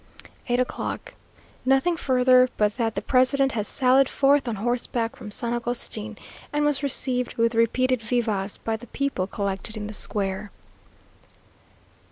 8 o'clock. Nothing further, but that the president has sallied forth on horseback from San Agustin; and was received with repeated vivas by the people collected in the square.